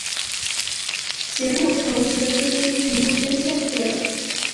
节目筹集的资金全部捐献给了。